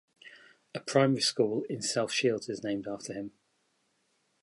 A primary school in South Shields is named after him.